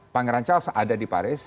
pak ngeran charles ada di paris